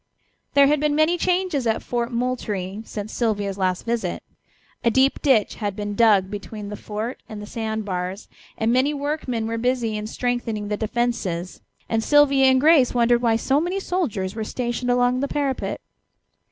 There had been many changes at Fort Moultrie since Sylvia's last visit. A deep ditch had been dug between the fort and the sand bars, and many workmen were busy in strengthening the defences, and Sylvia and Grace wondered why so many soldiers were stationed along the parapet.